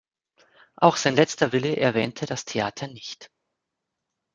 Auch sein letzter Wille erwähnte das Theater nicht.